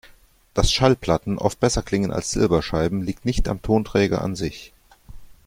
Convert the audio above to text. Dass Schallplatten oft besser klingen als Silberscheiben, liegt nicht am Tonträger an sich.